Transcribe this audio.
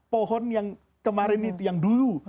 pohon yang kemarin itu yang dulu